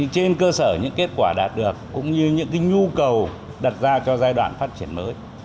trên cơ sở những kết quả đạt được cũng như những nhu cầu đặt ra cho giai đoạn phát triển mới